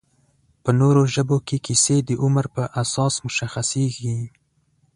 په نورو ژبو کې کیسې د عمر په اساس مشخصېږي